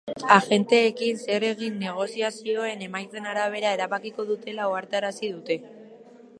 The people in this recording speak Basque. Agenteekin zer egin negoziazioen emaitzen arabera erabakiko dutela ohartarazi dute.